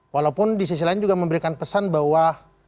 walaupun di sisi lain juga memberikan pesan bahwa